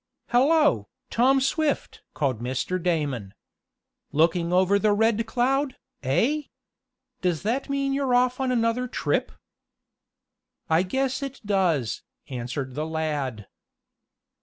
"Hello, Tom Swift!" called Mr. Damon. "Looking over the Red Cloud, eh? Does that mean you're off on another trip?" "I guess it does," answered the lad.